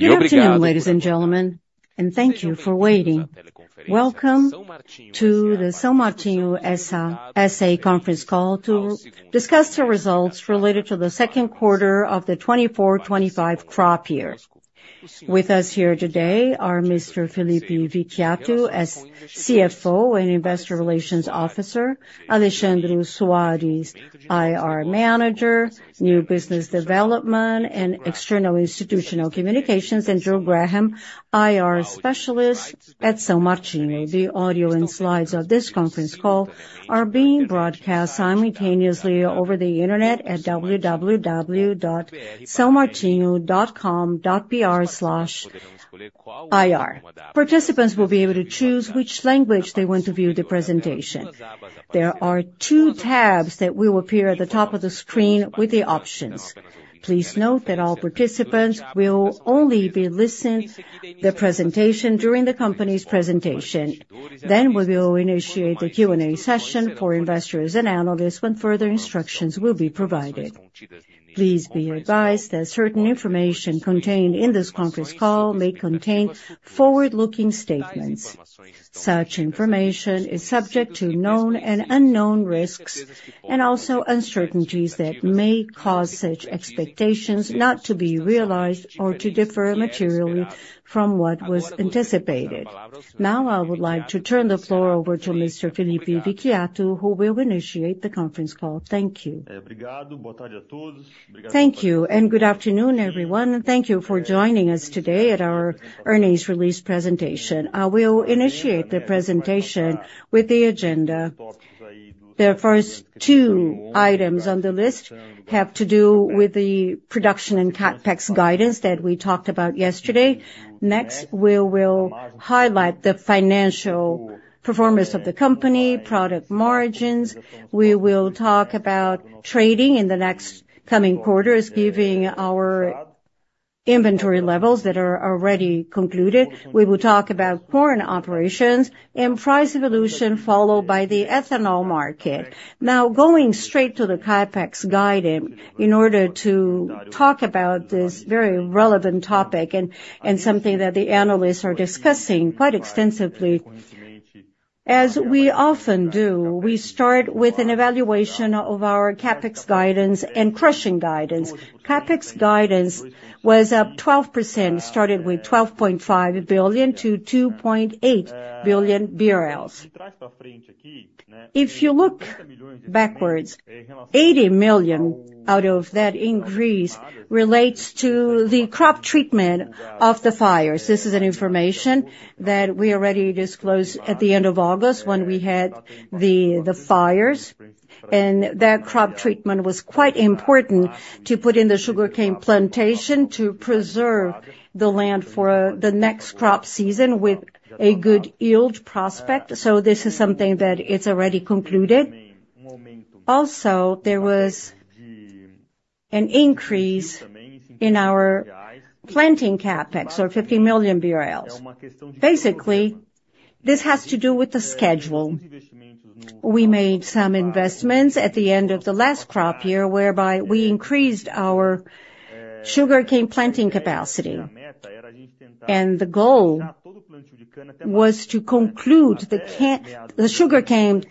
Yes, ladies and gentlemen, and thank you for waiting. Welcome to the São Martinho S.A. Conference call to discuss the results related to the second quarter of the 24-25 crop year. With us here today are Mr. Felipe Vicchiato, CFO and Investor Relations Officer, Alexandre Soares, IR Manager, New Business Development and External Institutional Communications, and Drew Graham, IR Specialist at São Martinho. The audio and slides of this conference call are being broadcast simultaneously over the internet at www.saomartinho.com.br/ir. Participants will be able to choose which language they want to view the presentation. There are two tabs that will appear at the top of the screen with the options. Please note that all participants will only be listening to the presentation during the company's presentation. Then we will initiate the Q&A session for investors and analysts when further instructions will be provided. Please be advised that certain information contained in this conference call may contain forward-looking statements. Such information is subject to known and unknown risks and also uncertainties that may cause such expectations not to be realized or to differ materially from what was anticipated. Now, I would like to turn the floor over to Mr. Felipe Vicchiato, who will initiate the conference call. Thank you. Thank you and good afternoon, everyone. Thank you for joining us today at our earnings release presentation. I will initiate the presentation with the agenda. The first two items on the list have to do with the production and CapEx guidance that we talked about yesterday. Next, we will highlight the financial performance of the company, product margins. We will talk about trading in the next coming quarters, giving our inventory levels that are already concluded. We will talk about foreign operations and price evolution, followed by the ethanol market. Now, going straight to the CapEx guidance in order to talk about this very relevant topic and something that the analysts are discussing quite extensively. As we often do, we start with an evaluation of our CapEx guidance and crushing guidance. CapEx guidance was up 12%, starting with 2.5 billion BRL-2.8 billion BRL. If you look backwards, 80 million out of that increase relates to the crop treatment of the fires. This is information that we already disclosed at the end of August when we had the fires, and that crop treatment was quite important to put in the sugarcane plantation to preserve the land for the next crop season with a good yield prospect, so this is something that is already concluded. Also, there was an increase in our planting CapEx of 50 million BRL. Basically, this has to do with the schedule. We made some investments at the end of the last crop year, whereby we increased our sugarcane planting capacity. And the goal was to conclude the sugarcane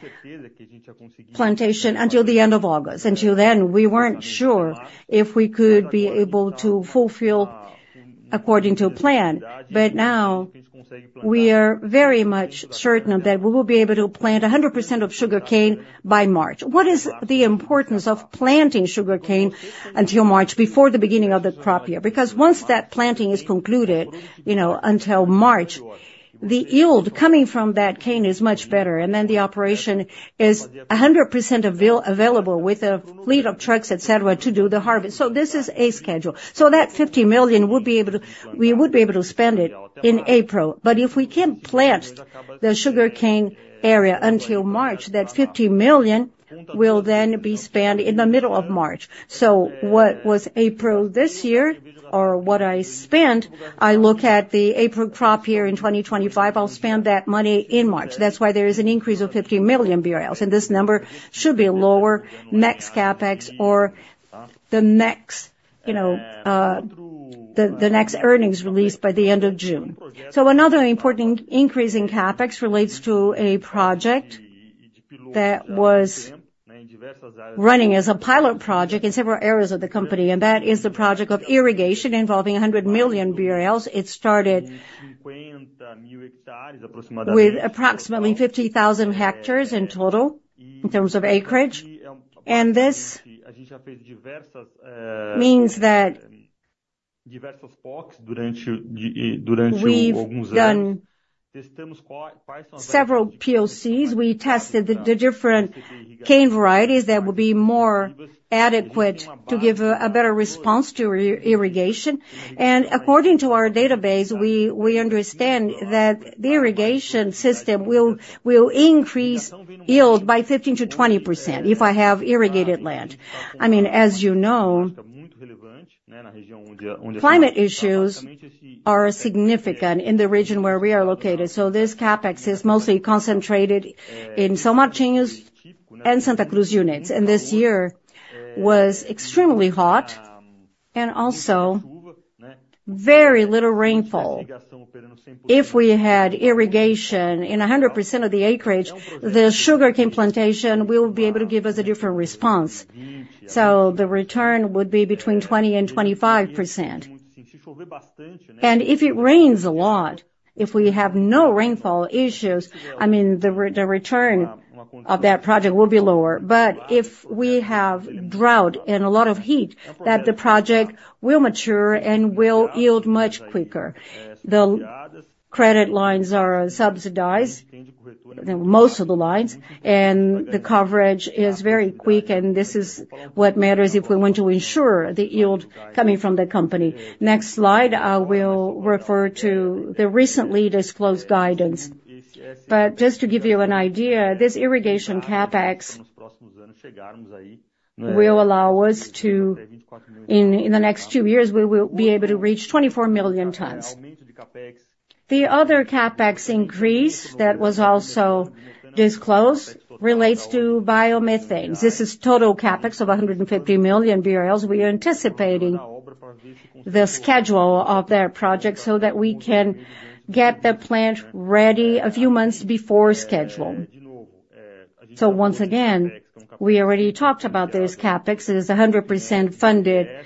plantation until the end of August. Until then, we weren't sure if we could be able to fulfill according to plan. But now we are very much certain that we will be able to plant 100% of sugarcane by March. What is the importance of planting sugarcane until March before the beginning of the crop year? Because once that planting is concluded until March, the yield coming from that cane is much better, and then the operation is 100% available with a fleet of trucks, etc., to do the harvest. So this is a schedule. So that 50 million, we would be able to spend it in April. But if we can't plant the sugarcane area until March, that 50 million will then be spent in the middle of March. So what was April this year or what I spent, I look at the April crop year in 2025, I'll spend that money in March. That's why there is an increase of 50 million BRL, and this number should be lower next CapEx or the next earnings released by the end of June. So another important increase in CapEx relates to a project that was running as a pilot project in several areas of the company, and that is the project of irrigation involving 100 million BRL. It started with approximately 50,000 hectares in total in terms of acreage. This means that several POCs, we tested the different cane varieties that would be more adequate to give a better response to irrigation. According to our database, we understand that the irrigation system will increase yield by 15%-20% if I have irrigated land. I mean, as you know, climate issues are significant in the region where we are located. This CapEx is mostly concentrated in São Martinho's and Santa Cruz units. This year was extremely hot and also very little rainfall. If we had irrigation in 100% of the acreage, the sugarcane plantation will be able to give us a different response. The return would be between 20% and 25%. If it rains a lot, if we have no rainfall issues, I mean, the return of that project will be lower. But if we have drought and a lot of heat, that the project will mature and will yield much quicker. The credit lines are subsidized, most of the lines, and the coverage is very quick, and this is what matters if we want to ensure the yield coming from the company. Next slide, I will refer to the recently disclosed guidance. But just to give you an idea, this irrigation CapEx will allow us to, in the next two years, we will be able to reach 24 million tons. The other CapEx increase that was also disclosed relates to biomethane. This is total CapEx of 150 million BRL. We are anticipating the schedule of that project so that we can get the plant ready a few months before schedule. So once again, we already talked about this CapEx. It is 100% funded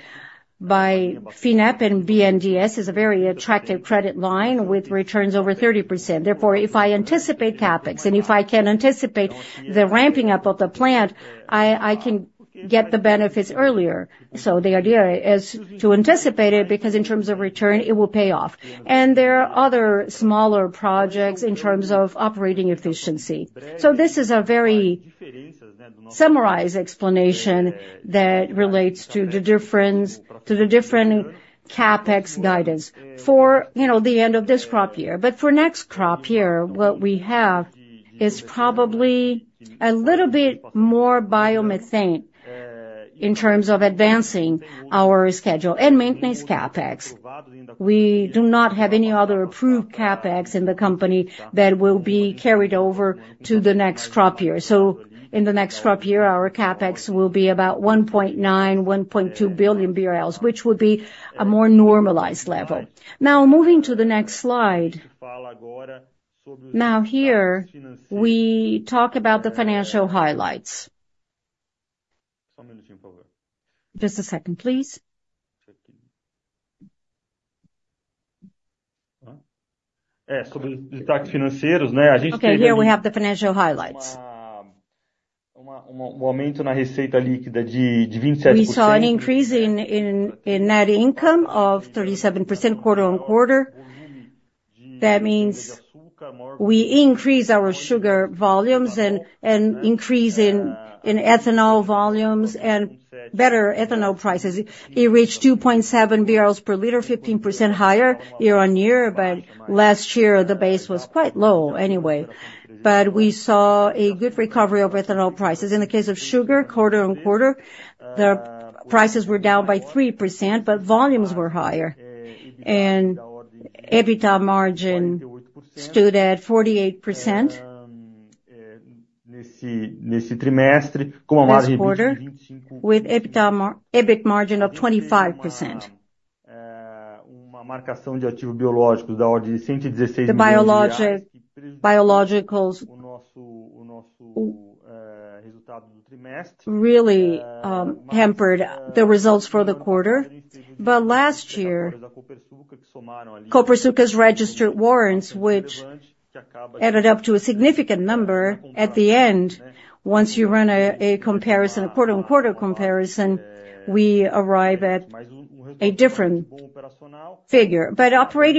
by FINEP and BNDES. It's a very attractive credit line with returns over 30%. Therefore, if I anticipate CapEx and if I can anticipate the ramping up of the plant, I can get the benefits earlier. So the idea is to anticipate it because in terms of return, it will pay off. And there are other smaller projects in terms of operating efficiency. So this is a very summarized explanation that relates to the different CapEx guidance for the end of this crop year. But for next crop year, what we have is probably a little bit more biomethane in terms of advancing our schedule and maintenance CapEx. We do not have any other approved CapEx in the company that will be carried over to the next crop year. So in the next crop year, our CapEx will be about 1.2-1.9 billion BRL, which would be a more normalized level. Now, moving to the next slide. Now, here we talk about the financial highlights. Just a second, please. Okay, here we have the financial highlights. We saw an increase in net income of 37% quarter on quarter. That means we increased our sugar volumes and increased in ethanol volumes and better ethanol prices. It reached 2.7 per liter, 15% higher year on year, but last year the base was quite low anyway. But we saw a good recovery of ethanol prices. In the case of sugar, quarter on quarter, the prices were down by 3%, but volumes were higher. And EBITDA margin stood at 48%. But operating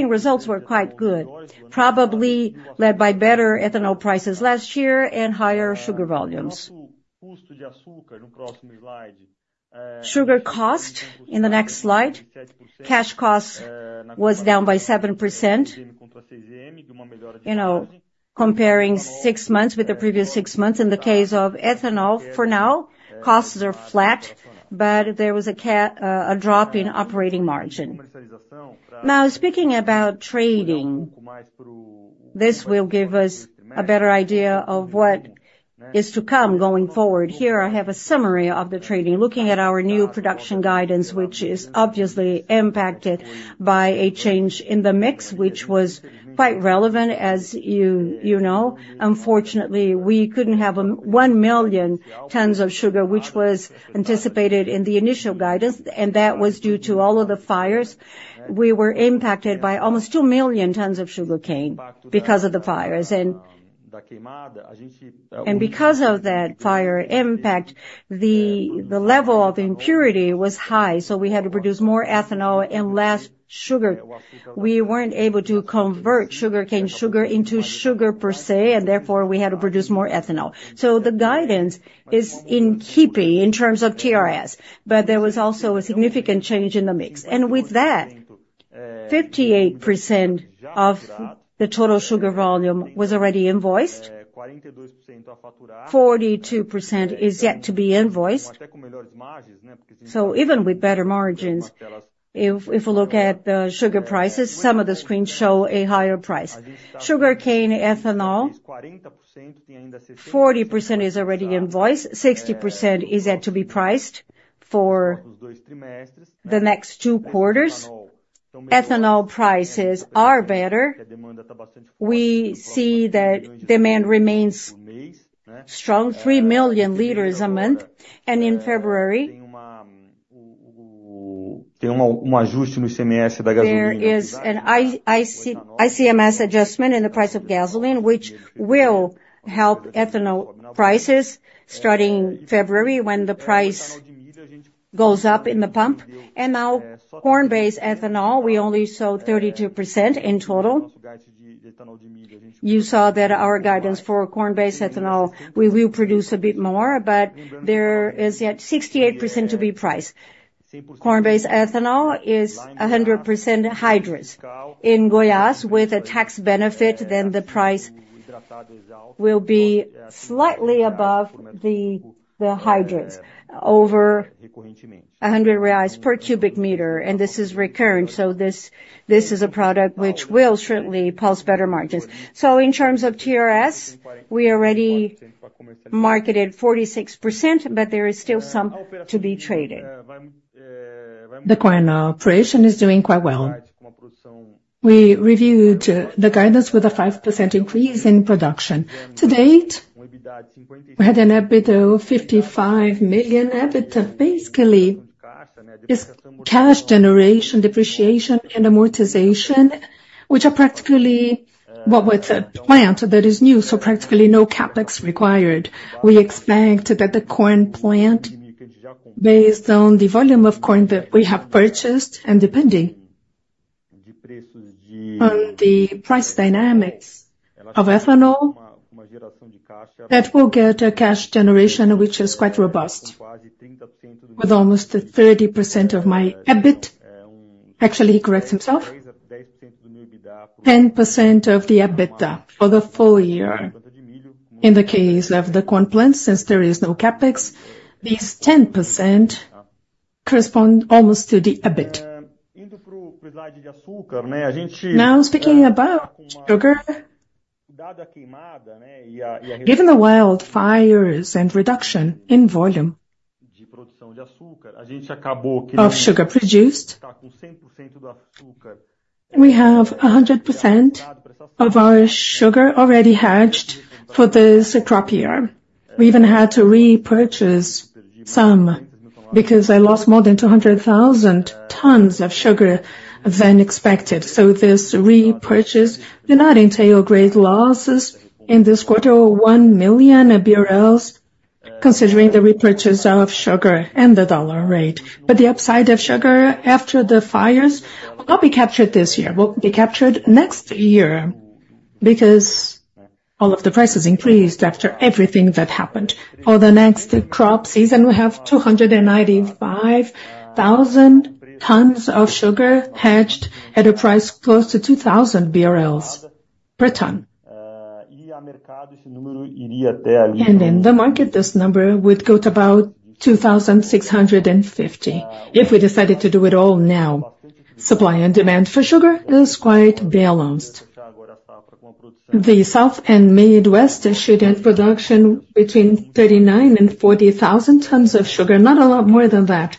results were quite good, probably led by better ethanol prices last year and higher sugar volumes. Sugar cost in the next slide. Cash cost was down by 7%. Comparing six months with the previous six months, in the case of ethanol, for now, costs are flat, but there was a drop in operating margin. Now, speaking about trading, this will give us a better idea of what is to come going forward. Here I have a summary of the trading, looking at our new production guidance, which is obviously impacted by a change in the mix, which was quite relevant, as you know. Unfortunately, we couldn't have one million tons of sugar, which was anticipated in the initial guidance, and that was due to all of the fires. We were impacted by almost two million tons of sugarcane because of the fires, and because of that fire impact, the level of impurity was high, so we had to produce more ethanol and less sugar. We weren't able to convert sugarcane sugar into sugar per se, and therefore we had to produce more ethanol, so the guidance is in keeping in terms of TRS, but there was also a significant change in the mix, and with that, 58% of the total sugar volume was already invoiced. 42% is yet to be invoiced, so even with better margins, if we look at the sugar prices, some of the screens show a higher price. Sugarcane, ethanol, 40% is already invoiced, 60% is yet to be priced for the next two quarters. Ethanol prices are better. We see that demand remains strong, 3 million liters a month, and in February, there is an ICMS adjustment in the price of gasoline, which will help ethanol prices starting February when the price goes up at the pump, and now, corn-based ethanol, we only saw 32% in total. You saw that our guidance for corn-based ethanol, we will produce a bit more, but there is yet 68% to be priced. Corn-based ethanol is 100% hydrous. In Goiás, with a tax benefit, then the price will be slightly above the hydrous over 100 reais per cubic meter, and this is recurrent. So this is a product which will certainly plus better margins. So in terms of TRS, we already marketed 46%, but there is still some to be traded. The corn operation is doing quite well. We reviewed the guidance with a 5% increase in production. To date, we had an EBITDA of 55 million. EBITDA basically is cash generation, depreciation, and amortization, which are practically what with the plant that is new, so practically no CapEx required. We expect that the corn plant, based on the volume of corn that we have purchased and depending on the price dynamics of ethanol, that will get a cash generation which is quite robust, with almost 30% of my EBIT, 10% of the EBITDA for the full year. In the case of the corn plant, since there is no CapEx, these 10% correspond almost to the EBITDA. Now, speaking about sugar, given the wildfires and reduction in volume of sugar produced, we have 100% of our sugar already hedged for this crop year. We even had to repurchase some because I lost more than 200,000 tons of sugar than expected. So this repurchase did not entail great losses in this quarter of 1 million BRL, considering the repurchase of sugar and the dollar rate. But the upside of sugar after the fires will not be captured this year. It will be captured next year because all of the prices increased after everything that happened. For the next crop season, we have 295,000 tons of sugar hedged at a price close to 2,000 BRL per ton. And in the market, this number would go to about 2,650 if we decided to do it all now. Supply and demand for sugar is quite balanced. The South and Midwest should have production between 39,000 and 40,000 tons of sugar, not a lot more than that,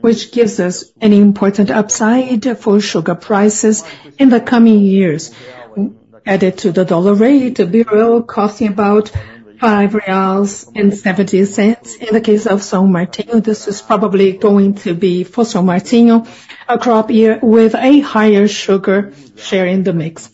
which gives us an important upside for sugar prices in the coming years. Added to the dollar rate, BRL costing about 5.70 reais. In the case of São Martinho, this is probably going to be for São Martinho a crop year with a higher sugar share in the mix.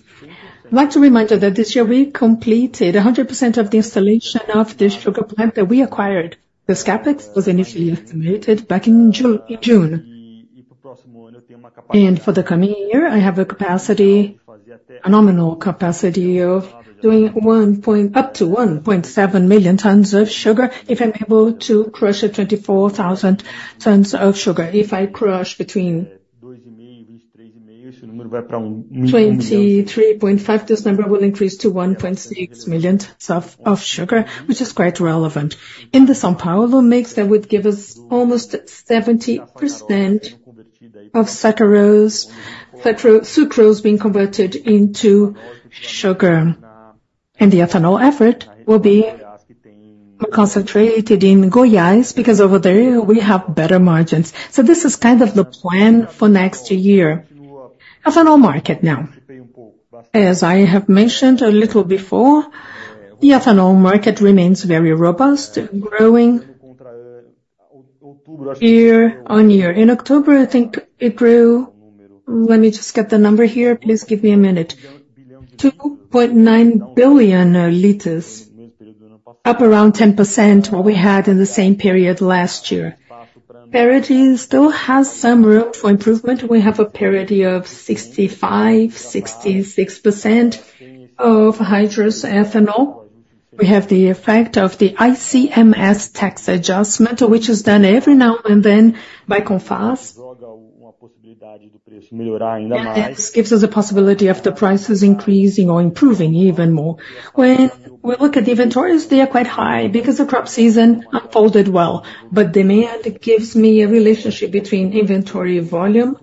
I'd like to remind you that this year we completed 100% of the installation of the sugar plant that we acquired. This CapEx was initially estimated back in June, and for the coming year, I have a capacity, a nominal capacity of doing up to 1.7 million tons of sugar if I'm able to crush 24,000 tons of sugar. If I crush between 23.5, this number will increase to 1.6 million tons of sugar, which is quite relevant. In the São Paulo mix, that would give us almost 70% of sucrose being converted into sugar, and the ethanol effort will be concentrated in Goiás because over there we have better margins, so this is kind of the plan for next year. Ethanol market now, as I have mentioned a little before, the ethanol market remains very robust, growing year on year. In October, I think it grew. Let me just get the number here. Please give me a minute: 2.9 billion liters, up around 10% of what we had in the same period last year. Parity still has some room for improvement. We have a parity of 65-66% of hydrous ethanol. We have the effect of the ICMS tax adjustment, which is done every now and then by CONFAZ. That gives us a possibility of the prices increasing or improving even more. When we look at the inventories, they are quite high because the crop season unfolded well. But demand gives me a relationship between inventory volume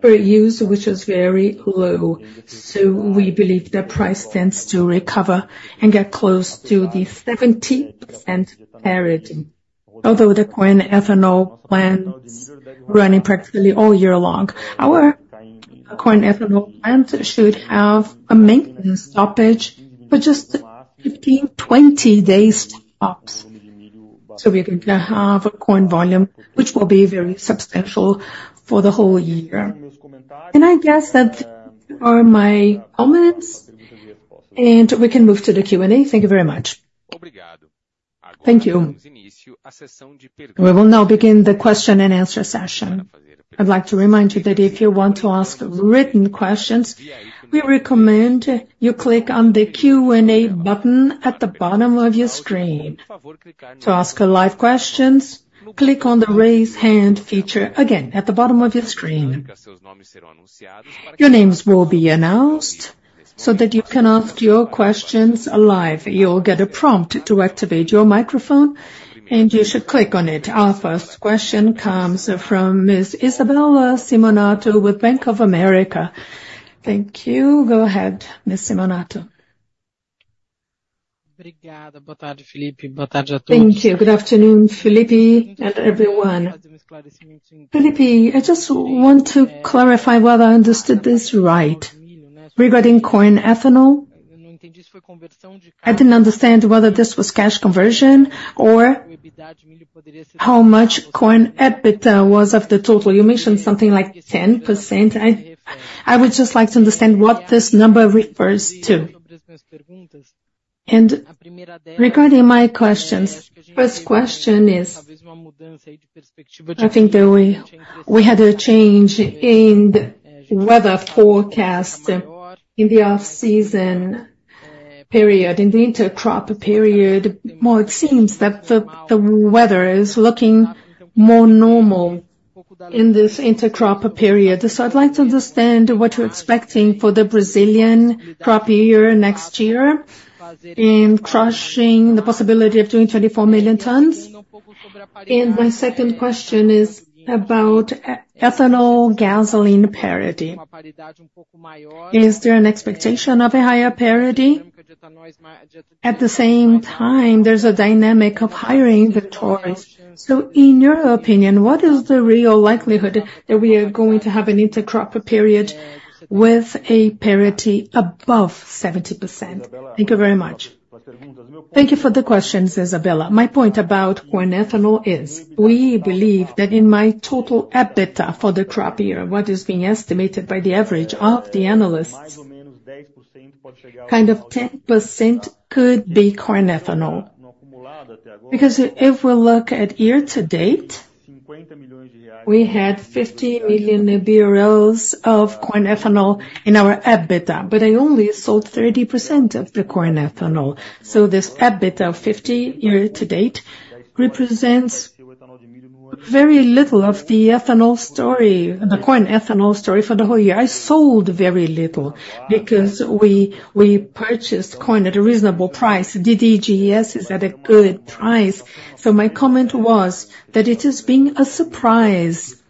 per use, which is very low. So we believe that price tends to recover and get close to the 70% parity. Although the corn ethanol plant is running practically all year long, our corn ethanol plant should have a maintenance stoppage for just 15-20 days tops. So we're going to have a corn volume which will be very substantial for the whole year. And I guess that are my comments, and we can move to the Q&A. Thank you very much. Thank you. We will now begin the question and answer session. I'd like to remind you that if you want to ask written questions, we recommend you click on the Q&A button at the bottom of your screen. To ask live questions, click on the raise hand feature again at the bottom of your screen. Your names will be announced so that you can ask your questions live. You'll get a prompt to activate your microphone, and you should click on it. Our first question comes from Ms. Isabella Simonato with Bank of America. Thank you. Go ahead, Ms. Simonato. Boa tarde, Felipe. Boa tarde a todos. Thank you. Good afternoon, Felipe and everyone. Felipe, I just want to clarify whether I understood this right regarding corn ethanol. I didn't understand whether this was cash conversion or how much corn EBITDA was of the total. You mentioned something like 10%. I would just like to understand what this number refers to, and regarding my questions, the first question is, I think that we had a change in the weather forecast in the off-season period, in the intercrop period. It seems that the weather is looking more normal in this intercrop period. So I'd like to understand what you're expecting for the Brazilian crop year next year in crushing, the possibility of doing 24 million tons, and my second question is about ethanol gasoline parity. Is there an expectation of a higher parity? At the same time, there's a dynamic of higher the hydrous. So in your opinion, what is the real likelihood that we are going to have an intercrop period with a parity above 70%? Thank you very much. Thank you for the questions, Isabella. My point about corn ethanol is, we believe that in my total EBITDA for the crop year, what is being estimated by the average of the analysts, kind of 10% could be corn ethanol. Because if we look at year to date, we had 50 million BRL of corn ethanol in our EBITDA, but I only sold 30% of the corn ethanol. So this EBITDA of 50 year to date represents very little of the ethanol story, the corn ethanol story for the whole year. I sold very little because we purchased corn at a reasonable price. DDGS is at a good price, so my comment was that it is being a surprise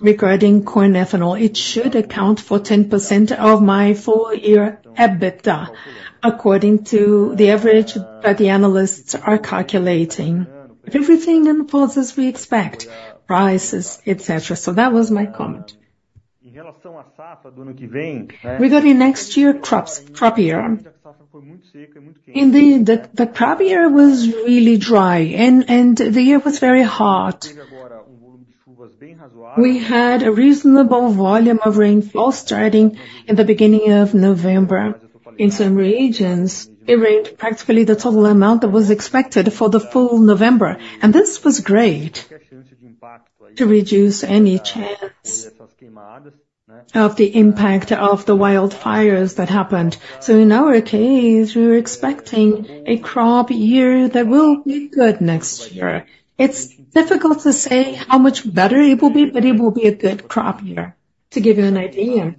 regarding corn ethanol. It should account for 10% of my full year EBITDA, according to the average that the analysts are calculating. If everything unfolds as we expect, prices, etc., so that was my comment. Regarding next year's crop year, the crop year was really dry, and the year was very hot. We had a reasonable volume of rainfall starting in the beginning of November. In some regions, it rained practically the total amount that was expected for the full November, and this was great to reduce any chance of the impact of the wildfires that happened, so in our case, we were expecting a crop year that will be good next year. It's difficult to say how much better it will be, but it will be a good crop year. To give you an idea,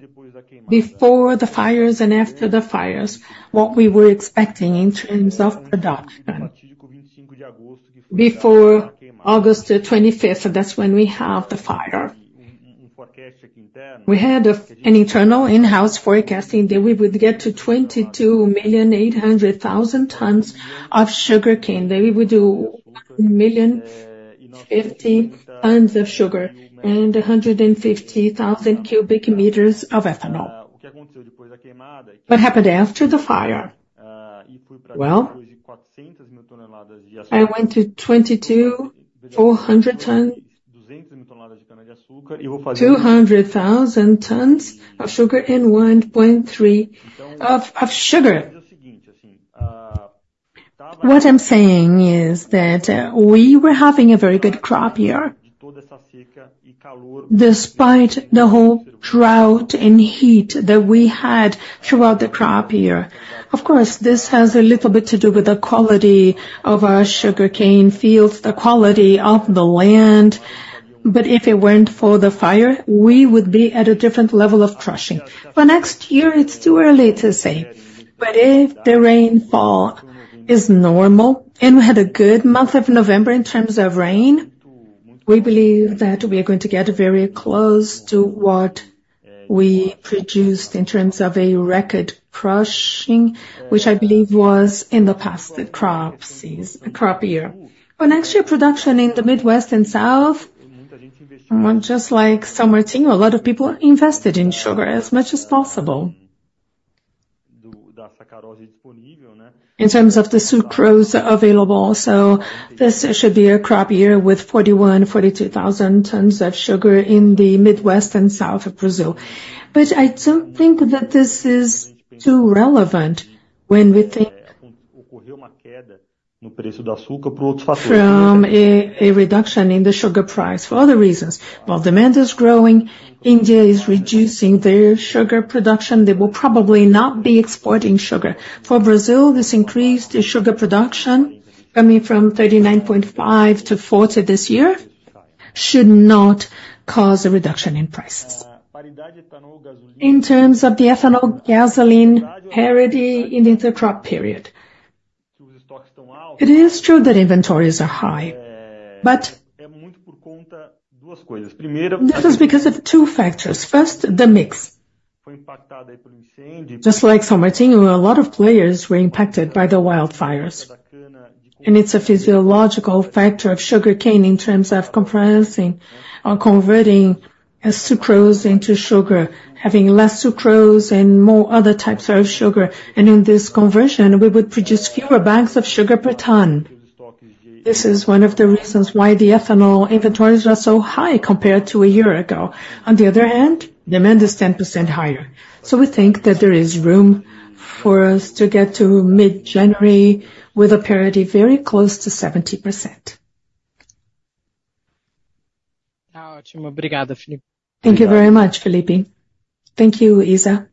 before the fires and after the fires, what we were expecting in terms of production before August 25th, that's when we have the fire. We had an internal in-house forecasting that we would get to 22,800,000 tons of sugarcane, that we would do 1,050 tons of sugar and 150,000 cubic meters of ethanol. What happened after the fire? Well, I went to 2,200 tons of 200,000 tons of sugar and 1.3. What I'm saying is that we were having a very good crop year despite the whole drought and heat that we had throughout the crop year. Of course, this has a little bit to do with the quality of our sugarcane fields, the quality of the land, but if it weren't for the fire, we would be at a different level of crushing. For next year, it's too early to say. But if the rainfall is normal and we had a good month of November in terms of rain, we believe that we are going to get very close to what we produced in terms of a record crushing, which I believe was in the past crop year. For next year's production in the Midwest and South, just like São Martinho, a lot of people invested in sugar as much as possible. In terms of the sucrose available, so this should be a crop year with 41,000-42,000 tons of sugar in the Midwest and South of Brazil. But I don't think that this is too relevant when we think from a reduction in the sugar price for other reasons. While demand is growing, India is reducing their sugar production. They will probably not be exporting sugar. For Brazil, this increase in sugar production coming from 39.5 to 40 this year should not cause a reduction in prices. In terms of the ethanol gasoline parity in the intercrop period, it is true that inventories are high, but this is because of two factors. First, the mix, just like São Martinho, a lot of players were impacted by the wildfires, and it's a physiological factor of sugar cane in terms of compressing or converting sucrose into sugar, having less sucrose and more other types of sugar, and in this conversion, we would produce fewer bags of sugar per ton. This is one of the reasons why the ethanol inventories are so high compared to a year ago. On the other hand, demand is 10% higher, so we think that there is room for us to get to mid-January with a parity very close to 70%. Thank you very much, Felipe. Thank you, Isa.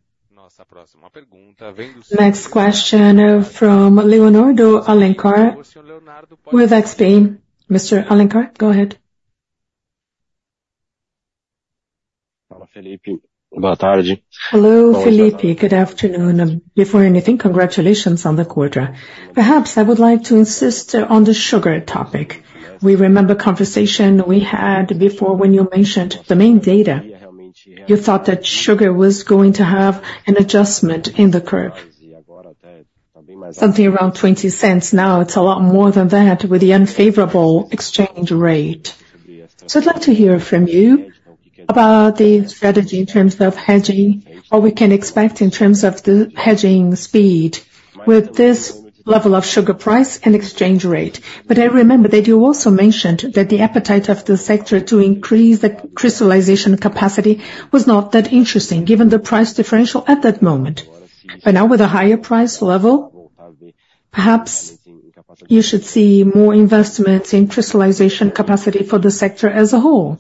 Next question from Leonardo Alencar. We'll explain. Mr. Alencar, go ahead. Fala, Felipe. Boa tarde. Hello, Felipe. Good afternoon. Before anything, congratulations on the quarter. Perhaps I would like to insist on the sugar topic. We remember the conversation we had before when you mentioned the main data. You thought that sugar was going to have an adjustment in the curve. Something around 20 cents now, it's a lot more than that with the unfavorable exchange rate. So I'd like to hear from you about the strategy in terms of hedging, what we can expect in terms of the hedging speed with this level of sugar price and exchange rate. But I remember that you also mentioned that the appetite of the sector to increase the crystallization capacity was not that interesting given the price differential at that moment. But now, with a higher price level, perhaps you should see more investments in crystallization capacity for the sector as a whole.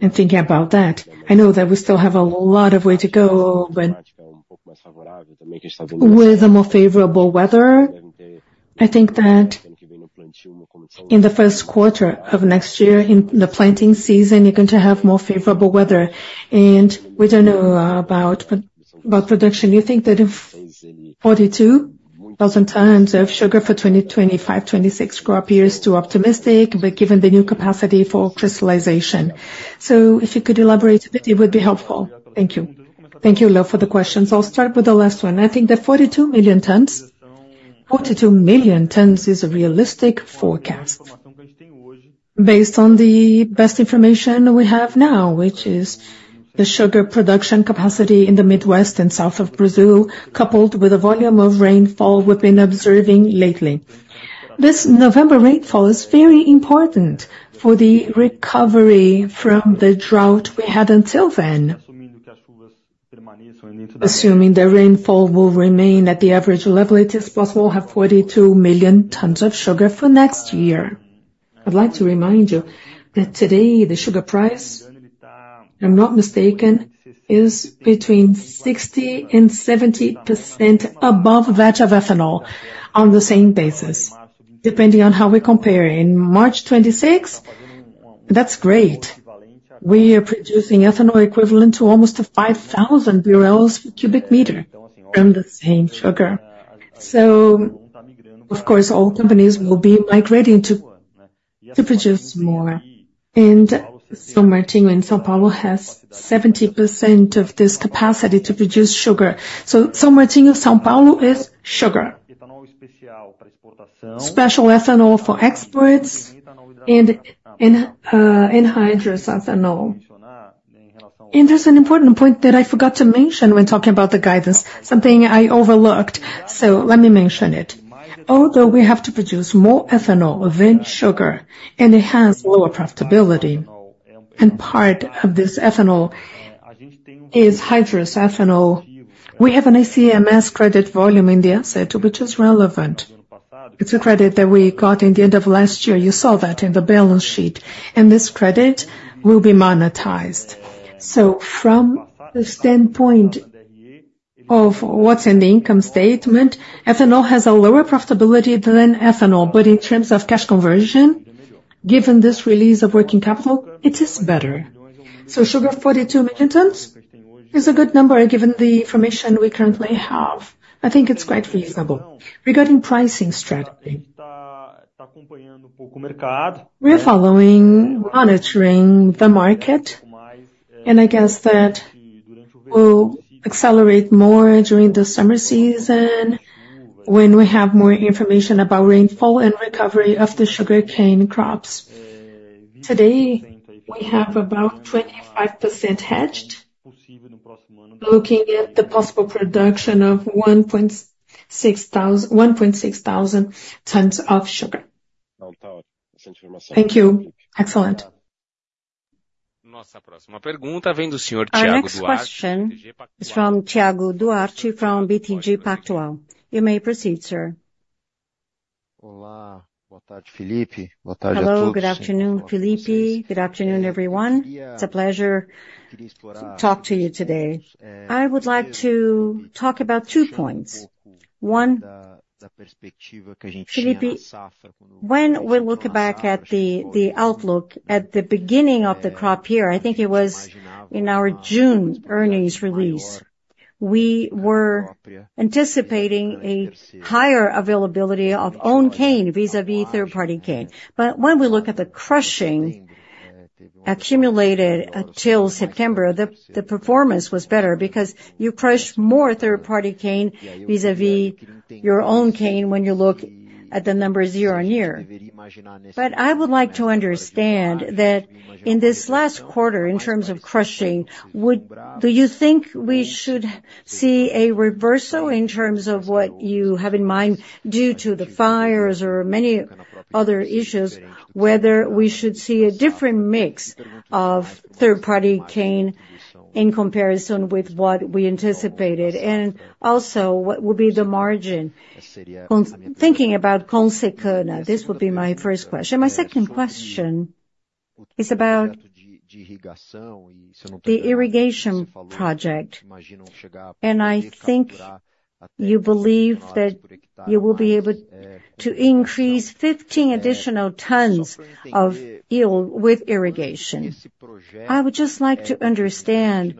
And thinking about that, I know that we still have a lot of way to go with the more favorable weather. I think that in the first quarter of next year, in the planting season, you're going to have more favorable weather. And we don't know about production. You think that if 42,000 tons of sugar for 2025-26 crop year is too optimistic, but given the new capacity for crystallization? So if you could elaborate a bit, it would be helpful. Thank you. Thank you a lot for the questions. I'll start with the last one. I think that 42 million tons, 42 million tons is a realistic forecast based on the best information we have now, which is the sugar production capacity in the Midwest and South of Brazil, coupled with the volume of rainfall we've been observing lately. This November rainfall is very important for the recovery from the drought we had until then. Assuming the rainfall will remain at the average level, it is possible to have 42 million tons of sugar for next year. I'd like to remind you that today, the sugar price, if I'm not mistaken, is between 60%-70% above that of ethanol on the same basis, depending on how we compare. In March 2026, that's great. We are producing ethanol equivalent to almost 5,000 BRL per cubic meter from the same sugar. So, of course, all companies will be migrating to produce more. São Martinho in São Paulo has 70% of this capacity to produce sugar. São Martinho in São Paulo is sugar, special ethanol for exports, and anhydrous ethanol. There's an important point that I forgot to mention when talking about the guidance, something I overlooked. Let me mention it. Although we have to produce more ethanol than sugar, and it has lower profitability, and part of this ethanol is hydrous ethanol, we have an ICMS credit volume in the asset, which is relevant. It's a credit that we got in the end of last year. You saw that in the balance sheet. This credit will be monetized. From the standpoint of what's in the income statement, ethanol has a lower profitability than ethanol. In terms of cash conversion, given this release of working capital, it is better. So sugar, 42 million tons, is a good number given the information we currently have. I think it's quite reasonable. Regarding pricing strategy, we're following, monitoring the market, and I guess that we'll accelerate more during the summer season when we have more information about rainfall and recovery of the sugarcane crops. Today, we have about 25% hedged, looking at the possible production of 1,600 tons of sugar. Thank you. Excellent. Nossa próxima pergunta vem do senhor Thiago Duarte. Next question is from Thiago Duarte from BTG Pactual. You may proceed, sir. Olá, boa tarde, Felipe. Boa tarde a todos. Hello, good afternoon, Felipe. Good afternoon, everyone. It's a pleasure to talk to you today. I would like to talk about two points. One, Felipe, when we look back at the outlook at the beginning of the crop year, I think it was in our June earnings release, we were anticipating a higher availability of own cane vis-à-vis third-party cane. But when we look at the crushing accumulated till September, the performance was better because you crush more third-party cane vis-à-vis your own cane when you look at the numbers year on year. But I would like to understand that in this last quarter, in terms of crushing, do you think we should see a reversal in terms of what you have in mind due to the fires or many other issues, whether we should see a different mix of third-party cane in comparison with what we anticipated, and also what will be the margin? Thinking about Consecana, this would be my first question. My second question is about the irrigation project. And I think you believe that you will be able to increase 15 additional tons of yield with irrigation. I would just like to understand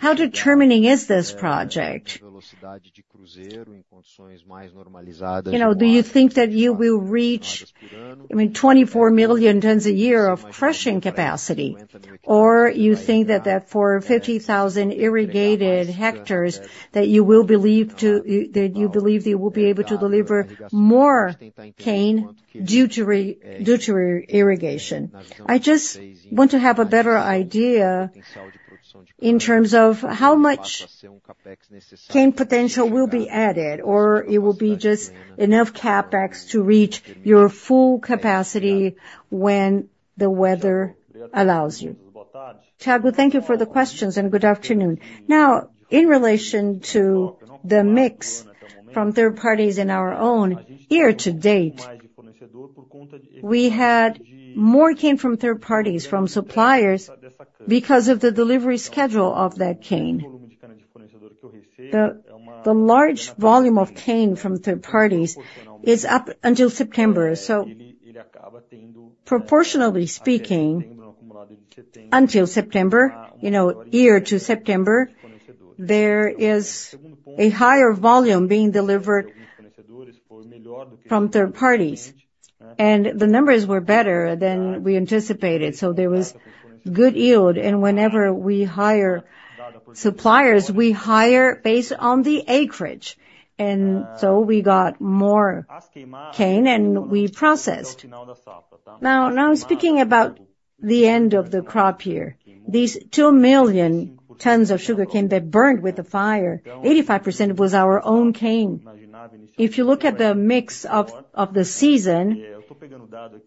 how determining is this project. Do you think that you will reach, I mean, 24 million tons a year of crushing capacity, or do you think that for 50,000 irrigated hectares that you believe that you will be able to deliver more cane due to irrigation? I just want to have a better idea in terms of how much cane potential will be added, or it will be just enough CapEx to reach your full capacity when the weather allows you. Thiago, thank you for the questions and good afternoon. Now, in relation to the mix from third parties and our own year to date, we had more cane from third parties, from suppliers, because of the delivery schedule of that cane. The large volume of cane from third parties is up until September. So, proportionally speaking, until September, year to September, there is a higher volume being delivered from third parties. And the numbers were better than we anticipated. So there was good yield. And whenever we hire suppliers, we hire based on the acreage. And so we got more cane and we processed. Now, speaking about the end of the crop year, these 2 million tons of sugarcane that burned with the fire, 85% was our own cane. If you look at the mix of the season,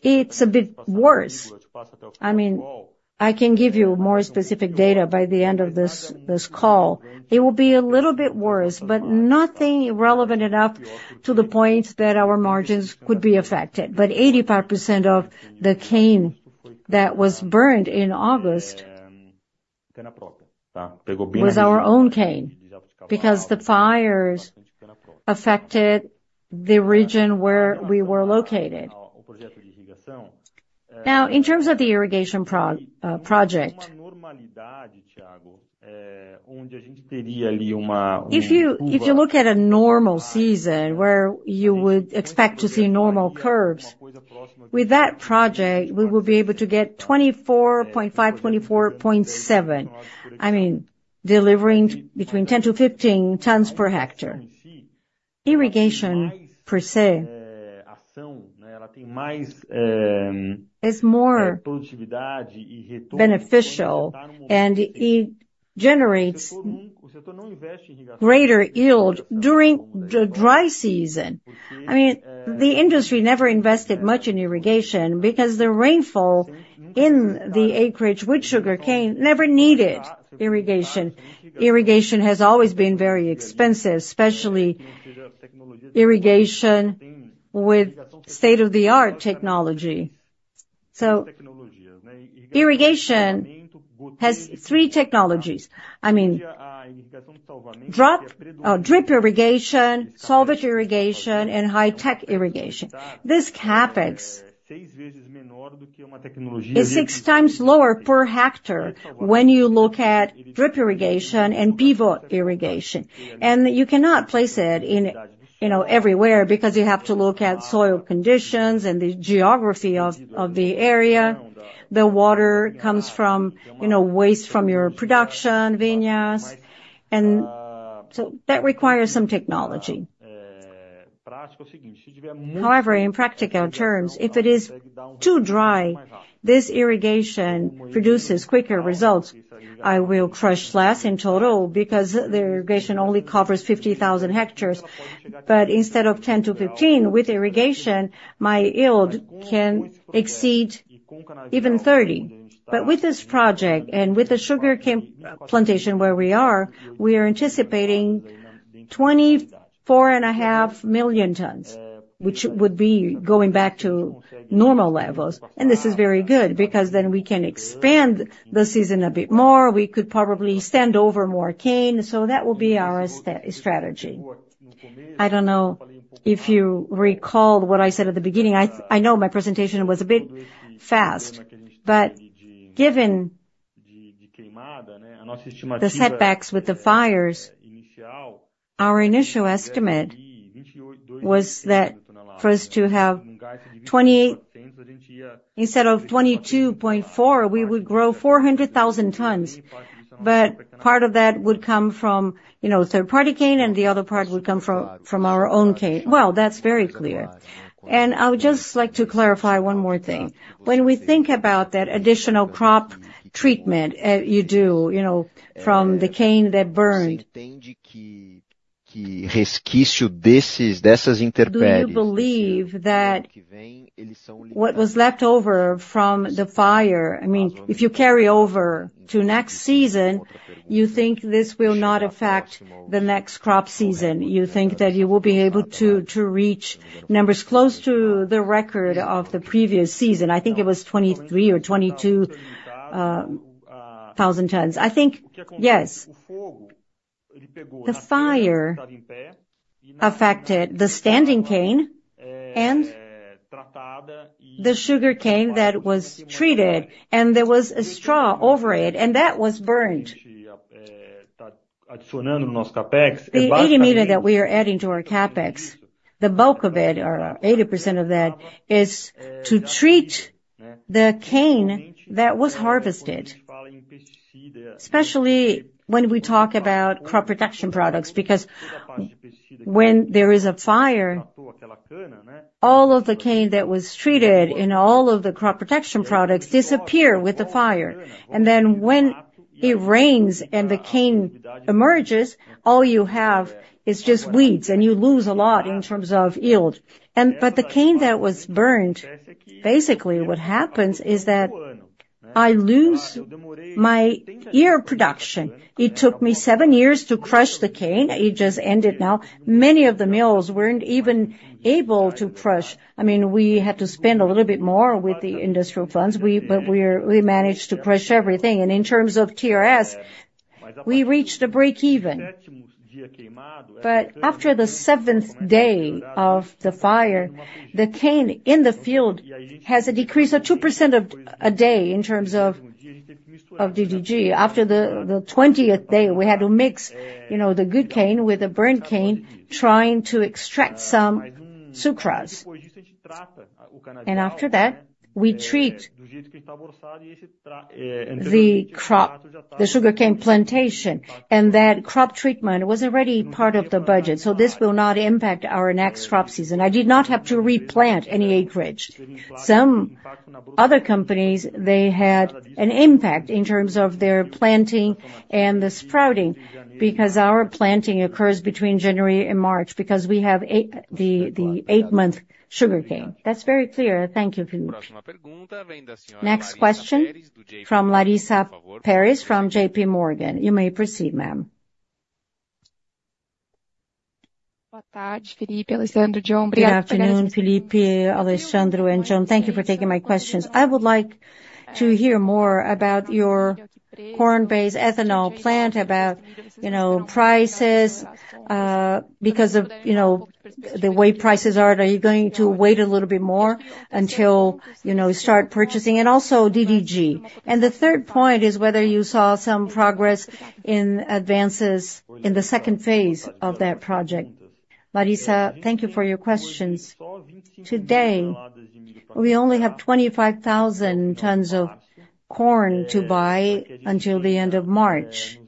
it's a bit worse. I mean, I can give you more specific data by the end of this call. It will be a little bit worse, but nothing relevant enough to the point that our margins could be affected. But 85% of the cane that was burned in August was our own cane because the fires affected the region where we were located. Now, in terms of the irrigation project, if you look at a normal season where you would expect to see normal curves, with that project, we would be able to get 24.5, 24.7, I mean, delivering between 10 to 15 tons per hectare. Irrigation, per se, is more beneficial, and it generates greater yield during the dry season. I mean, the industry never invested much in irrigation because the rainfall in the acreage with sugarcane never needed irrigation. Irrigation has always been very expensive, especially irrigation with state-of-the-art technology. So irrigation has three technologies. I mean, drip irrigation, solvent irrigation, and high-tech irrigation. This is six times lower per hectare when you look at drip irrigation and pivot irrigation. You cannot place it everywhere because you have to look at soil conditions and the geography of the area. The water comes from waste from your production vineyards. So that requires some technology. However, in practical terms, if it is too dry, this irrigation produces quicker results. I will crush less in total because the irrigation only covers 50,000 hectares. Instead of 10-15 with irrigation, my yield can exceed even 30. With this project and with the sugarcane plantation where we are, we are anticipating 24.5 million tons, which would be going back to normal levels. This is very good because then we can expand the season a bit more. We could probably stand over more cane. That will be our strategy. I don't know if you recall what I said at the beginning. I know my presentation was a bit fast, but given the setbacks with the fires, our initial estimate was that for us to have 28, instead of 22.4, we would grow 400,000 tons, but part of that would come from third-party cane, and the other part would come from our own cane. Well, that's very clear, and I would just like to clarify one more thing. When we think about that additional crop treatment you do from the cane that burned, when you believe that what was left over from the fire, I mean, if you carry over to next season, you think this will not affect the next crop season? You think that you will be able to reach numbers close to the record of the previous season? I think it was 23 or 22,000 tons. I think, yes, the fire affected the standing cane and the sugarcane that was treated, and there was a straw over it, and that was burned. The 80 million BRL that we are adding to our CapEx, the bulk of it, or 80% of that, is to treat the cane that was harvested, especially when we talk about crop protection products, because when there is a fire, all of the cane that was treated in all of the crop protection products disappears with the fire. And then when it rains and the cane emerges, all you have is just weeds, and you lose a lot in terms of yield. But the cane that was burned, basically what happens is that I lose my year production. It took me seven years to crush the cane. It just ended now. Many of the mills weren't even able to crush. I mean, we had to spend a little bit more with the industrial funds, but we managed to crush everything, and in terms of TRS, we reached a break-even. But after the seventh day of the fire, the cane in the field has a decrease of 2% a day in terms of DDG. After the 20th day, we had to mix the good cane with the burned cane, trying to extract some sucrose. And after that, we treat the sugarcane plantation, and that crop treatment was already part of the budget. So this will not impact our next crop season. I did not have to replant any acreage. Some other companies, they had an impact in terms of their planting and the sprouting because our planting occurs between January and March because we have the eight-month sugarcane. That's very clear. Thank you. Next question from Larissa Pérez from J.P. Morgan. You may proceed, ma'am. Boa tarde, Felipe. Alexandre, John, obrigado. Good afternoon, Felipe, Alexandre, and John. Thank you for taking my questions. I would like to hear more about your corn-based ethanol plant, about prices, because of the way prices are. Are you going to wait a little bit more until you start purchasing? And also DDG. And the third point is whether you saw some progress in advances in the second phase of that project. Larissa, thank you for your questions. Today, we only have 25,000 tons of corn to buy until the end of March,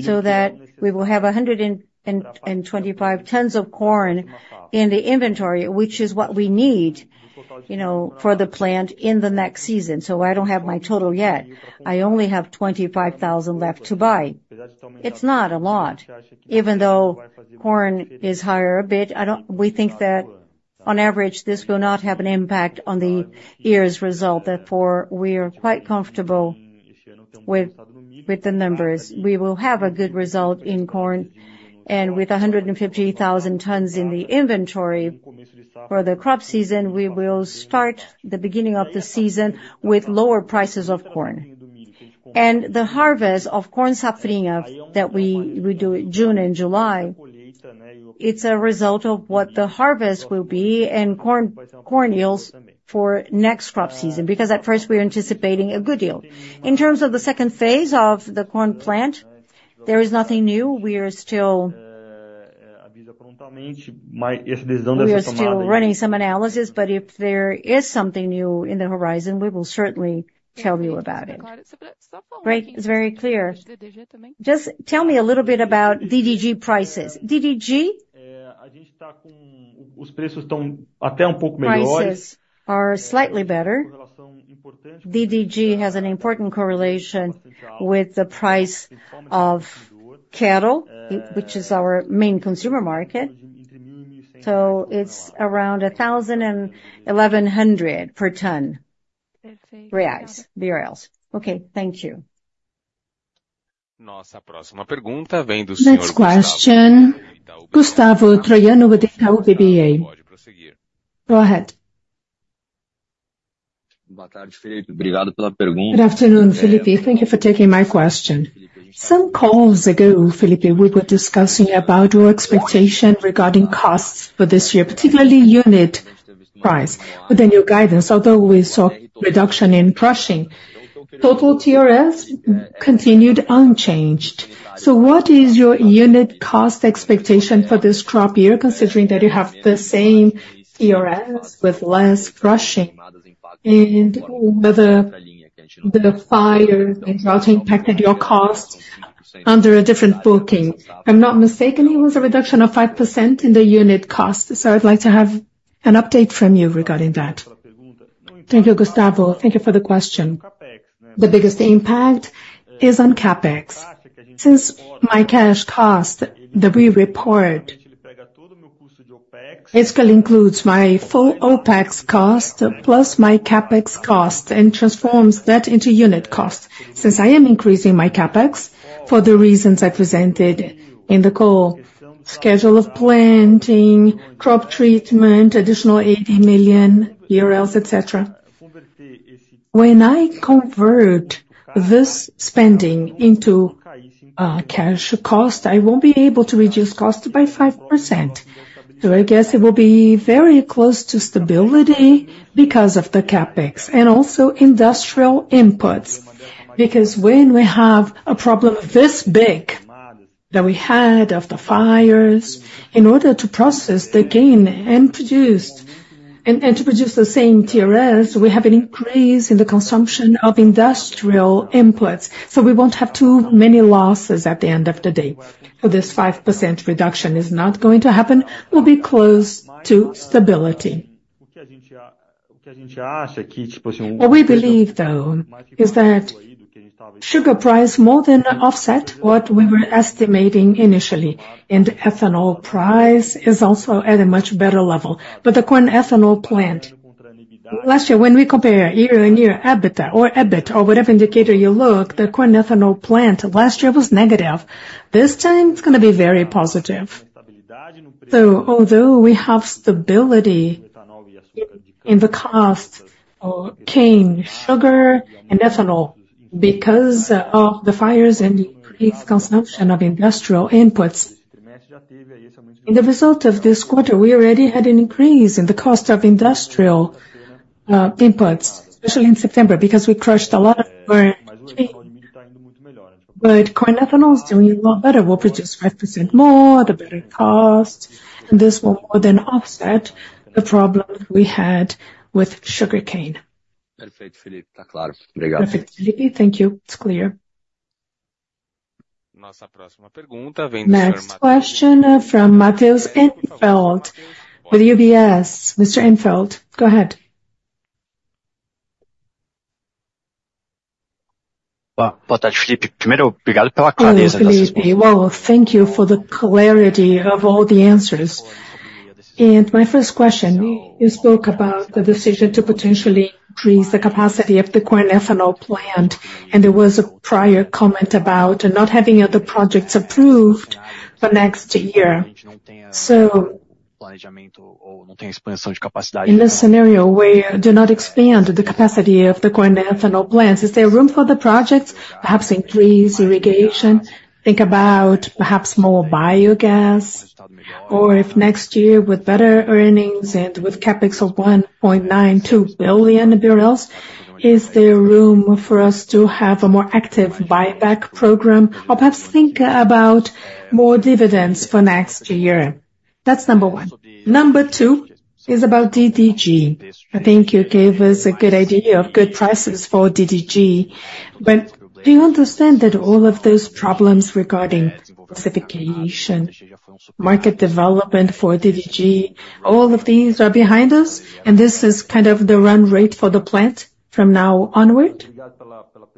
so that we will have 125 tons of corn in the inventory, which is what we need for the plant in the next season. So I don't have my total yet. I only have 25,000 left to buy. It's not a lot. Even though corn is higher a bit, we think that on average, this will not have an impact on the year's result. Therefore, we are quite comfortable with the numbers. We will have a good result in corn. And with 150,000 tons in the inventory for the crop season, we will start the beginning of the season with lower prices of corn. And the harvest of corn safrinha that we do in June and July, it's a result of what the harvest will be and corn yields for next crop season, because at first, we are anticipating a good yield. In terms of the second phase of the corn plant, there is nothing new. We are still running some analysis, but if there is something new in the horizon, we will certainly tell you about it. Great. It's very clear. Just tell me a little bit about DDG prices. DDG, the prices are slightly better. DDG has an important correlation with the price of cattle, which is our main consumer market. So it's around 1,100 per ton. Okay. Thank you. Nossa próxima pergunta vem do senhor Gustavo Troyano da Itaú BBA. Go ahead. Boa tarde, Felipe. Obrigado pela pergunta. Good afternoon, Felipe. Thank you for taking my question. Some calls ago, Felipe, we were discussing about your expectation regarding costs for this year, particularly unit price, within your guidance. Although we saw reduction in crushing, total TRS continued unchanged. So what is your unit cost expectation for this crop year, considering that you have the same TRS with less crushing and whether the fire and drought impacted your costs under a different booking? If I'm not mistaken, it was a reduction of 5% in the unit cost. So I'd like to have an update from you regarding that. Thank you, Gustavo. Thank you for the question. The biggest impact is on CapEx. Since my cash cost, the report basically includes my full OPEX cost plus my CapEx cost and transforms that into unit cost. Since I am increasing my CapEx for the reasons I presented in the call, schedule of planting, crop treatment, additional BRL 80 million, etc., when I convert this spending into cash cost, I won't be able to reduce costs by 5%. So I guess it will be very close to stability because of the CapEx and also industrial inputs. Because when we have a problem this big that we had of the fires, in order to process the cane and produce and to produce the same TRS, we have an increase in the consumption of industrial inputs. So we won't have too many losses at the end of the day. So this 5% reduction is not going to happen. We'll be close to stability. What we believe, though, is that sugar price more than offset what we were estimating initially. And ethanol price is also at a much better level. But the corn ethanol plant, last year, when we compare year-on-year EBITDA or EBIT or whatever indicator you look, the corn ethanol plant last year was negative. This time, it's going to be very positive. So although we have stability in the cost of cane, sugar, and ethanol because of the fires and increased consumption of industrial inputs, in the result of this quarter, we already had an increase in the cost of industrial inputs, especially in September, because we crushed a lot of corn. But corn ethanol is doing a lot better. We'll produce 5% more, the better cost, and this will more than offset the problems we had with sugarcane. Perfect, Felipe. Thank you. It's clear. Nossa próxima pergunta vem do senhor Matheus. Next question from Matheus Enfeldt with UBS. Mr. Enfeldt, go ahead. Boa tarde, Felipe. Primeiro, obrigado pela clareza. Thank you for the clarity of all the answers. And my first question, you spoke about the decision to potentially increase the capacity of the corn ethanol plant, and there was a prior comment about not having other projects approved for next year. So in a scenario where you do not expand the capacity of the corn ethanol plants, is there room for the projects, perhaps increase irrigation, think about perhaps more biogas, or if next year with better earnings and with CapEx of 1.92 billion reais, is there room for us to have a more active buyback program or perhaps think about more dividends for next year? That's number one. Number two is about DDG. I think you gave us a good idea of good prices for DDG. But do you understand that all of those problems regarding specification, market development for DDG, all of these are behind us, and this is kind of the run rate for the plant from now onward?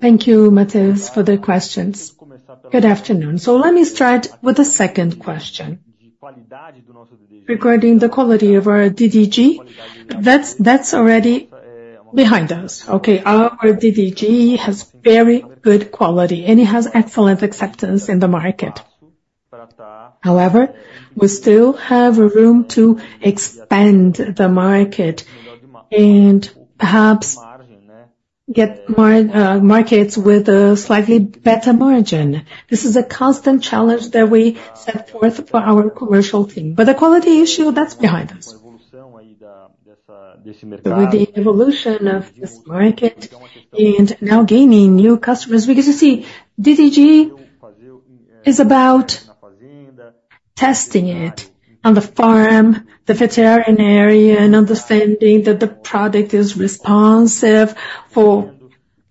Thank you, Matheus, for the questions. Good afternoon. So let me start with the second question. Regarding the quality of our DDG, that's already behind us. Okay. Our DDG has very good quality, and it has excellent acceptance in the market. However, we still have room to expand the market and perhaps get markets with a slightly better margin. This is a constant challenge that we set forth for our commercial team. But the quality issue, that's behind us. With the evolution of this market and now gaining new customers, because you see, DDG is about testing it on the farm, the veterinarian, understanding that the product is responsive for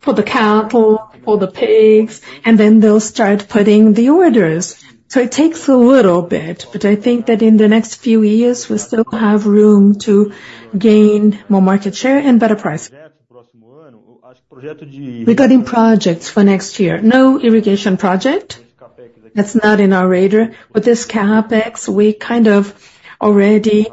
the cattle, for the pigs, and then they'll start putting the orders. So it takes a little bit, but I think that in the next few years, we still have room to gain more market share and better pricing. Regarding projects for next year, no irrigation project. That's not in our radar. With this CapEx, we kind of already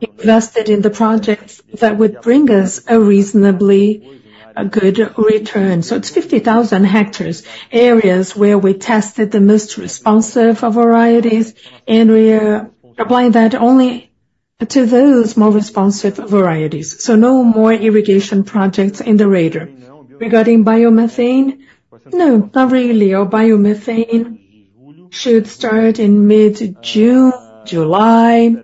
invested in the projects that would bring us a reasonably good return. So it's 50,000 hectares areas where we tested the most responsive varieties, and we are applying that only to those more responsive varieties. So no more irrigation projects in the radar. Regarding biomethane, no, not really. Our biomethane should start in mid-June, July.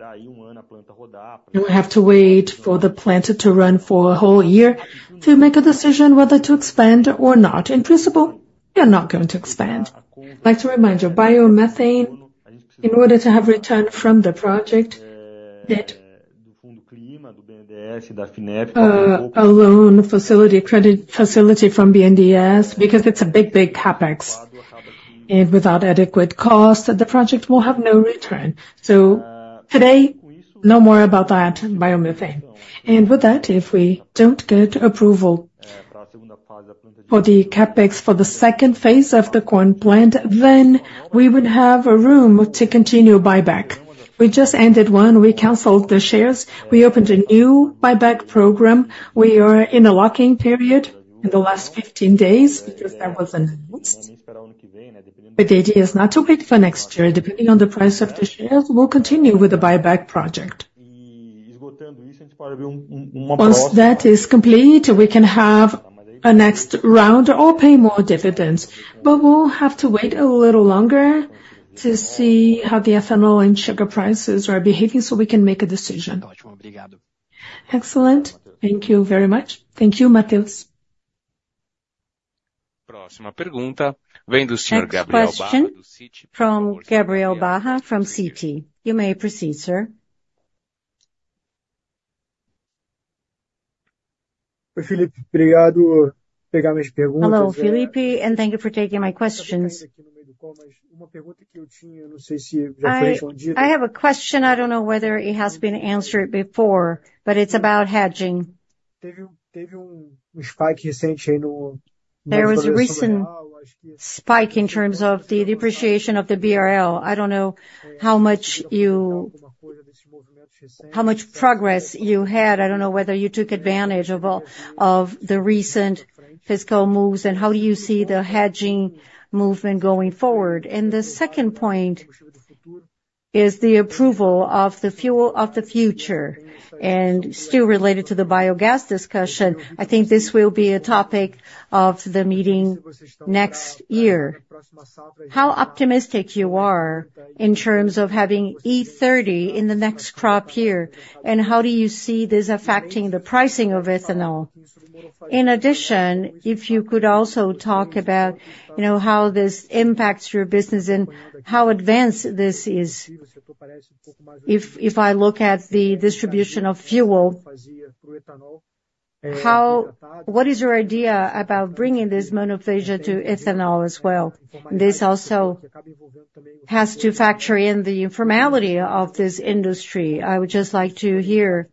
We have to wait for the plant to run for a whole year to make a decision whether to expand or not. In principle, we are not going to expand. I'd like to remind you, biomethane, in order to have return from the project, that alone facility credit facility from BNDES, because it's a big, big CapEx, and without adequate cost, the project will have no return. So today, no more about that biomethane. With that, if we don't get approval for the CapEx for the second phase of the corn plant, then we would have room to continue buyback. We just ended one. We canceled the shares. We opened a new buyback program. We are in a locking period in the last 15 days because that was announced. But the idea is not to wait for next year. Depending on the price of the shares, we'll continue with the buyback project. Once that is complete, we can have a next round or pay more dividends. But we'll have to wait a little longer to see how the ethanol and sugar prices are behaving so we can make a decision. Excellent. Thank you very much. Thank you, Matheus. Próxima pergunta vem do senhor Gabriel Barra. Next question from Gabriel Barra from CT. You may proceed, sir. Oi, Felipe, obrigado por pegar minhas perguntas. Hello, Felipe, and thank you for taking my questions. Uma pergunta que eu tinha, não sei se já foi respondida. I have a question. I don't know whether it has been answered before, but it's about hedging. Teve spike recente aí no mercado. There was a recent spike in terms of the depreciation of the BRL. I don't know how much progress you had. I don't know whether you took advantage of the recent fiscal moves and how do you see the hedging movement going forward. And the second point is the approval of the Fuel of the Future and still related to the biogas discussion. I think this will be a topic of the meeting next year. How optimistic you are in terms of having E30 in the next crop year and how do you see this affecting the pricing of ethanol? In addition, if you could also talk about how this impacts your business and how advanced this is. If I look at the distribution of fuel, what is your idea about bringing this monophasia to ethanol as well? This also has to factor in the informality of this industry. I would just like to hear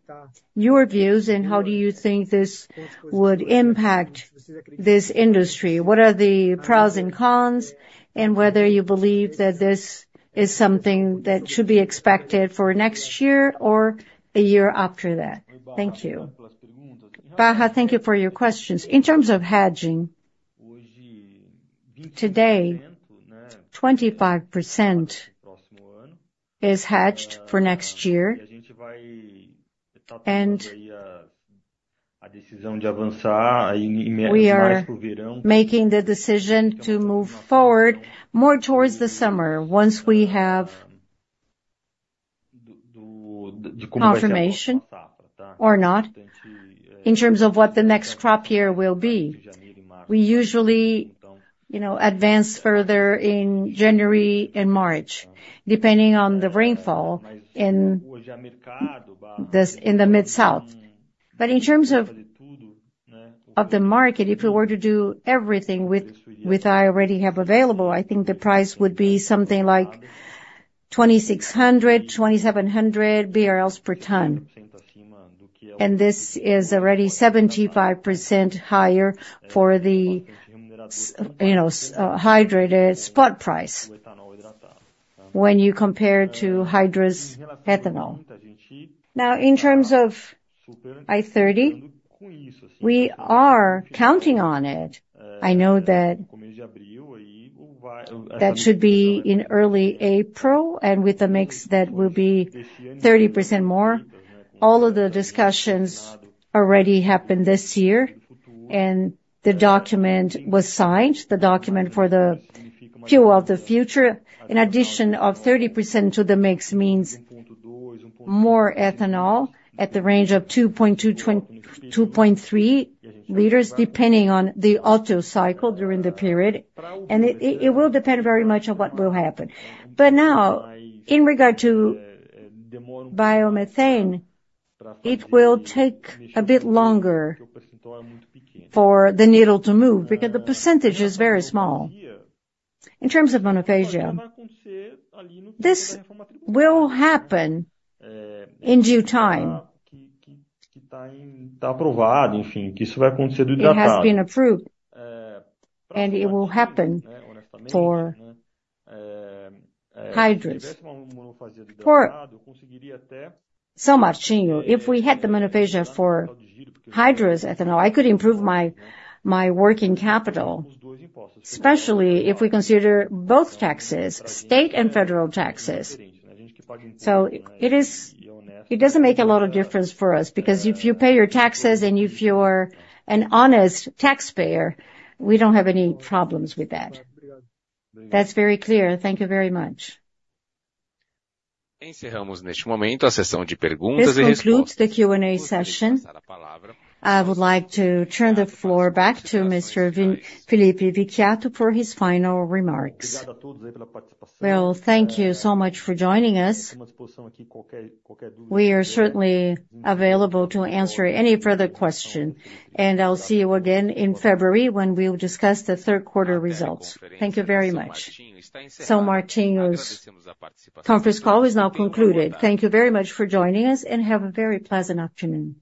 your views and how do you think this would impact this industry? What are the pros and cons and whether you believe that this is something that should be expected for next year or a year after that? Thank you. Barra, thank you for your questions. In terms of hedging, today, 25% is hedged for next year. E a decisão de avançar mais para o verão. We are making the decision to move forward more towards the summer once we have confirmation. Confirmation? Or not? In terms of what the next crop year will be, we usually advance further in January and March, depending on the rainfall in the Midwest. But in terms of the market, if we were to do everything with what I already have available, I think the price would be something like 2,600 BRL-2,700 BRL per ton. And this is already 75% higher for the hydrous spot price when you compare to hydrous ethanol. Now, in terms of E30, we are counting on it. I know that that should be in early April and with a mix that will be 30% more. All of the discussions already happened this year, and the document was signed, the document for the fuel of the future. In addition, 30% to the mix means more ethanol at the range of 2.2 to 2.3 liters, depending on the auto cycle during the period. It will depend very much on what will happen. But now, in regard to biomethane, it will take a bit longer for the needle to move because the percentage is very small. In terms of monophasia, this will happen in due time. Está aprovado, enfim, que isso vai acontecer do hidratado. It has been approved, and it will happen for hydrous. São Martinho, if we had the monophasia for hydrous ethanol, I could improve my working capital, especially if we consider both taxes, state and federal taxes. So it doesn't make a lot of difference for us because if you pay your taxes and if you're an honest taxpayer, we don't have any problems with that. That's very clear. Thank you very much. Encerramos neste momento a sessão de perguntas e respostas. This concludes the Q&A session. I would like to turn the floor back to Mr. Felipe Vicchiato for his final remarks. Thank you so much for joining us. We are certainly available to answer any further questions, and I'll see you again in February when we will discuss the third quarter results. Thank you very much. São Martinho's conference call is now concluded. Thank you very much for joining us and have a very pleasant afternoon.